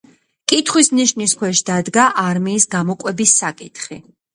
კითხვის ნიშნის ქვეშ დადგა არმიის გამოკვების საკითხი.